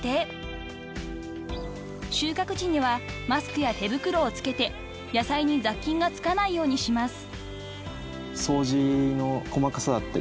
［収穫時にはマスクや手袋を着けて野菜に雑菌が付かないようにします］